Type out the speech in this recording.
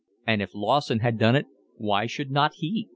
And if Lawson had done it why should not he?